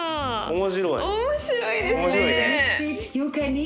面白いですね。